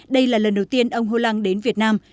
đây là lần đầu tiên ông hulang đến việt nam